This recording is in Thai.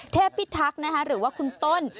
เทพพิทักนะคะหรือว่าคุณต้น